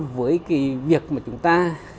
với việc mà chúng ta